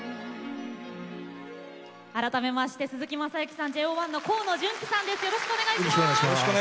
改めまして鈴木雅之さんＪＯ１の河野純喜さんです。